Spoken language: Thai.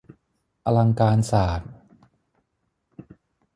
อลังการศาสตร์